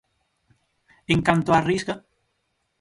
En canto á Risga.